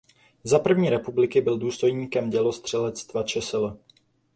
Za první republiky byl důstojníkem dělostřelectva čsl.